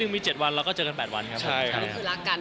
มี๗วันเราก็เจอกัน๘วันครับ